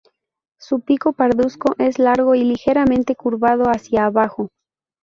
Su pico parduzco es largo y ligeramente curvado hacia abajo.